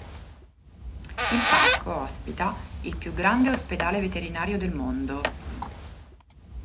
Il parco ospita il più grande ospedale veterinario del mondo.